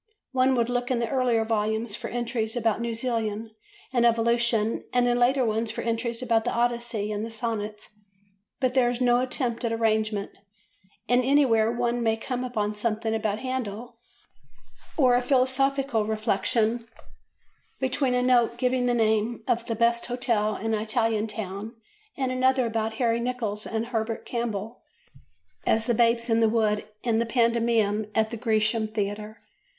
One would look in the earlier volumes for entries about New Zealand and evolution and in the later ones for entries about the Odyssey and the Sonnets, but there is no attempt at arrangement and anywhere one may come upon something about Handel, or a philosophical reflection, between a note giving the name of the best hotel in an Italian town and another about Harry Nicholls and Herbert Campbell as the Babes in the Wood in the pantomime at the Grecian Theatre.